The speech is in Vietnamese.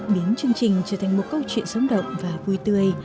biến chương trình trở thành một câu chuyện sống động và vui tươi